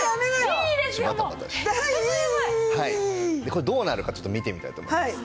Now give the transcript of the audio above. これどうなるかちょっと見てみたいと思います。